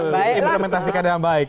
diimplementasikan dengan baik